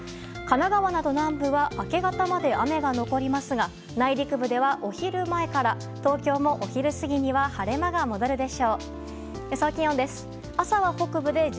神奈川など南部は明け方まで雨が残りますが内陸部では、お昼前から東京も、お昼過ぎには晴れ間が戻るでしょう。